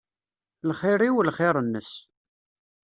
Lxir-iw, lxir-ines.